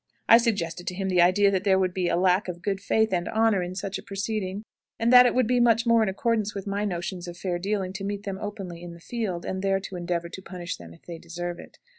I suggested to him the idea that there would be a lack of good faith and honor in such a proceeding, and that it would be much more in accordance with my notions of fair dealing to meet them openly in the field, and there endeavor to punish them if they deserve it.